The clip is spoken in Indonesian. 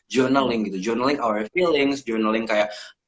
journaling gitu journaling our feelings journaling kayak